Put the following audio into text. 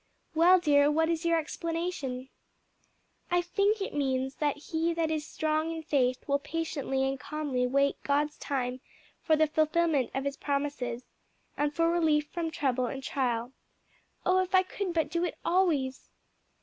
"Well, dear, what is your explanation?" "I think it means he that is strong in faith will patiently and calmly wait God's time for the fulfilment of his promises, and for relief from trouble and trial. Oh if I could but do it always!"